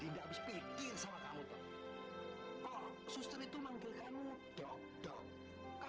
semua biaya saya akan menunggunya